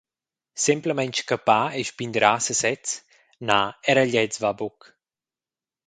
Semplamein scappar e spindrar sesez, na era gliez va buc.